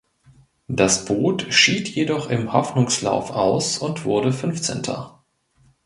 Das Boot schied jedoch im Hoffnungslauf aus und wurde Fünfzehnter.